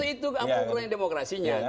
itu apa ukuran demokrasinya